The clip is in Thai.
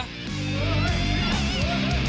แล้วไม่ไหว